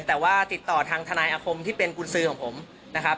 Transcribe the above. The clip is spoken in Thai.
แต่ว่าติดต่อทางทนายอาคมที่เป็นกุญสือของผมนะครับ